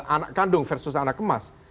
anak kandung versus anak emas